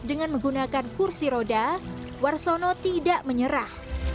dengan menggunakan kursi roda warsono tidak menyerah